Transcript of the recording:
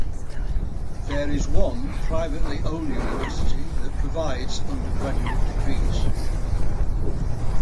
There is one privately owned university that provides undergraduate degrees.